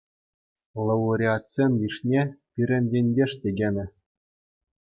Лауреатсен йышне пирӗн ентеш те кӗнӗ.